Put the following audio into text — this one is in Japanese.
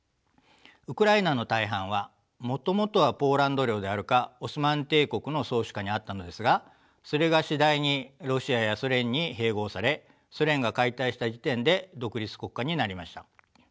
ウクライナの大半はもともとはポーランド領であるかオスマン帝国の宗主下にあったのですがそれが次第にロシアやソ連に併合されソ連が解体した時点で独立国家になりました。